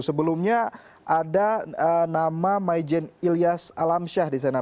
sebenarnya ada nama majen ilyas alamsyah disana